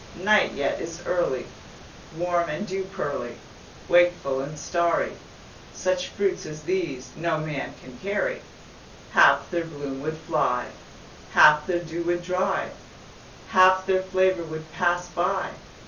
Night yet is early, Warm and dew pearly, Wakeful and starry: Such fruits as these No man can carry; Half their bloom would fly, Half their dew would dry, Half their flavour would pass by.